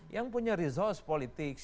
yang punya resource politik